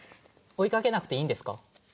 追いかけなくていいんですか？